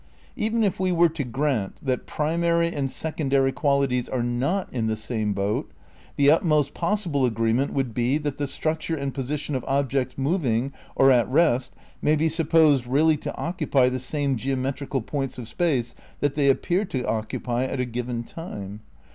Even if we were to grant that primary and secondary qualities are not in the same boat, the utmost possible agreement would be that the structure and position of objects moving or at rest may be supposed really to occupy the same geo metrical points of space that they appear to occupy at a given time.